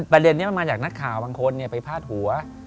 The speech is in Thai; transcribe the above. ประเด็นนี้มันมาจากนักข่าวบางคนไปพาดหัว